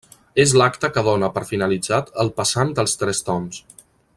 És l'acte que dóna per finalitzat el passant dels tres tombs.